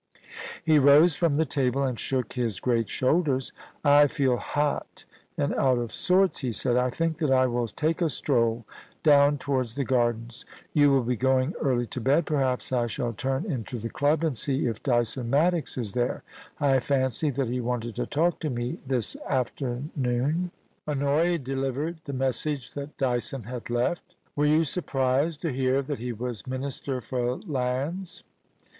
He rose from the table and shook his great shoulders. * I feel hot and out of sorts,' he said ;^ I think that I will take a stroll down towards the Gardens. You will be going early to bed. Perhaps I shall turn into the club and see if Dyson Maddox is there ; I fancy that he wanted to talk to me this aftemooa' Honoria delivered the message that Dyson had left 'Were you surprised to hear that he was Minbter for Lands?